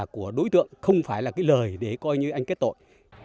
của đối tượng không phải là cái lời để coi như anh kết tội